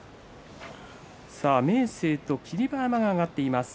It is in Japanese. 明生と霧馬山が上がっています。